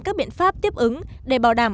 các biện pháp tiếp ứng để bảo đảm